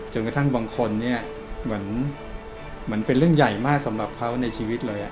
จนกระทั่งบางคนเนี่ยเหมือนเป็นเรื่องใหญ่มากสำหรับเขาในชีวิตเลย